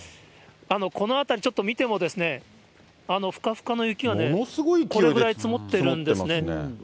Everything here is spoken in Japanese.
この辺りちょっと見ても、ふかふかの雪がこれぐらい積もってるんですね。